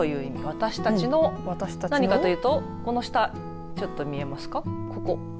私たちの何かというとこの下ちょっと見えますか、ここ。